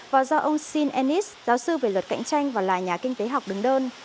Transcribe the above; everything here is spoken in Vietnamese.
và do ông sean ennis giáo sư về luật cạnh tranh và là nhà kinh tế học đứng đơn